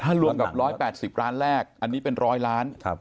ถ้ารวมกับ๑๘๐ล้านแรกอันนี้เป็น๑๐๐ล้าน